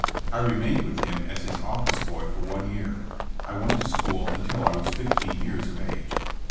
I remained with him as his office boy for one year. I went to school until I was fifteen years of age.